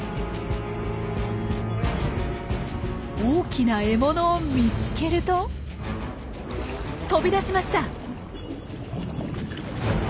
大きな獲物を見つけると飛び出しました！